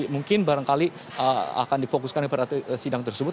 mungkin barangkali akan difokuskan pada sidang tersebut